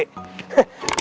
luar biasa be